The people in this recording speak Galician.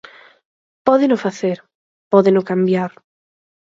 Pódeno facer, pódeno cambiar.